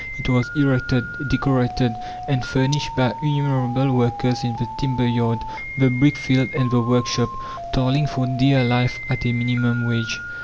It was erected, decorated and furnished by innumerable workers in the timber yard, the brick field, and the workshop, toiling for dear life at a minimum wage.